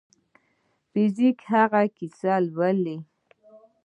فزیک هغه کیسې لولي.